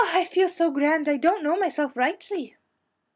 I feel so grand, I don't know myself rightly!"